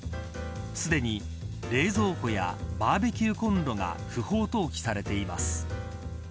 すでに冷蔵庫やバーベキューコンロが不法投棄されています。